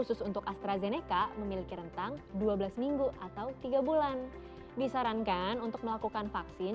saya sarankan untuk melakukan vaksin